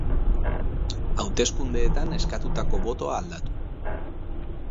Hauteskundeetan eskatutako botoa aldatu.